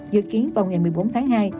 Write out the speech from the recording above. dự kiến vào ngày một mươi bốn tháng hai